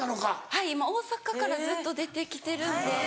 はい今大阪からずっと出てきてるんで。